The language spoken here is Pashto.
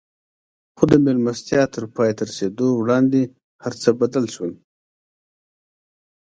خو د مېلمستيا تر پای ته رسېدو وړاندې هر څه بدل شول.